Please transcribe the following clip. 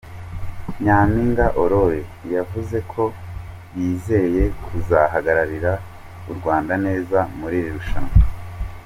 Nyampinga Aurore yavuze ko yizeye kuzahagararira u Rwanda neza muri iri rushanwa.